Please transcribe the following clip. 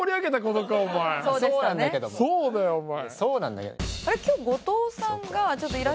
そうだよお前。